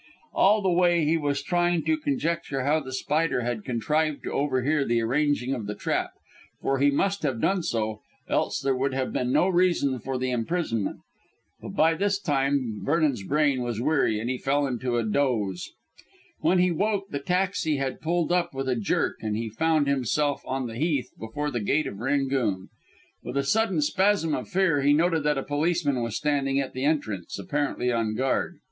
All the way he was trying to conjecture how The Spider had contrived to overhear the arranging of the trap, for he must have done so, else there would have been no reason for the imprisonment. But by this time Vernon's brain was weary, and he fell into a dose. When he woke the taxi had pulled up with a jerk, and he found himself on the Heath before the gate of "Rangoon." With a sudden spasm of fear he noted that a policeman was standing at the entrance, apparently on guard.